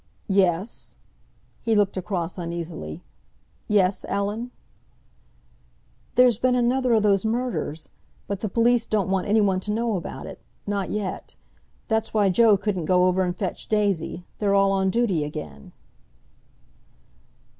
"Yes?" He looked across uneasily. "Yes, Ellen?" "There's been another o' those murders. But the police don't want anyone to know about it—not yet. That's why Joe couldn't go over and fetch Daisy. They're all on duty again."